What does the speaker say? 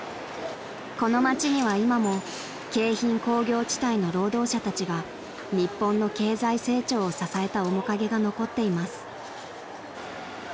［この町には今も京浜工業地帯の労働者たちが日本の経済成長を支えた面影が残っています］